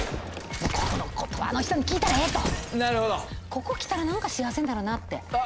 もうここのことはあの人に聞いたらええとここ来たらなんか幸せになるなって